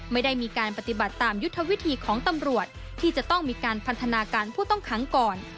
ไม่ได้มีการปฏิบัติตามยุทธวิธีของตำรวจที่จะต้องมีการพันธนาการผู้ต้องขังก่อน